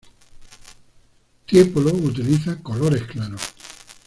Tiepolo utiliza colores claros.